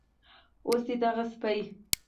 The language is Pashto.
اوس دې دغه سپي